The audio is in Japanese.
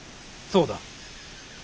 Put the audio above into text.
そうだ。